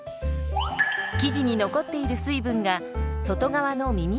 生地に残っている水分が外側のみみへ移るんだそう。